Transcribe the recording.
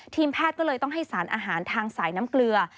แพทย์ก็เลยต้องให้สารอาหารทางสายน้ำเกลือ